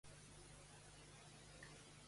Segons ell, ha redactat un llibre religiós?